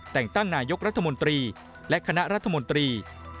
แต่งตั้งนายกรัฐมนตรีและคณะรัฐมนตรี